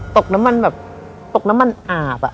ตกน้ำมันแบบตกน้ำมันอาบ